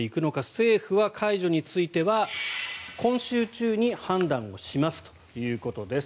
政府は解除については今週中に判断をしますということです。